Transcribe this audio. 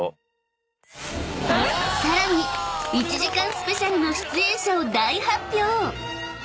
［さらに１時間スペシャルの出演者を大発表！］